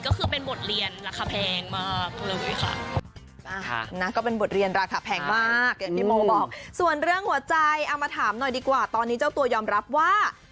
ก็คือเป็นบทเรียนราคาแพงมากเลยค่ะ